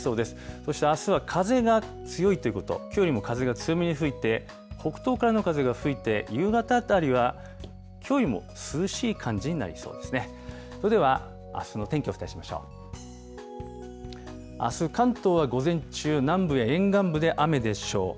そしてあすは風が強いということ、きょうよりも風が強めに吹いて、北東からの風が吹いて、夕方あたりはきょうよりも涼しい感じになりそうですね。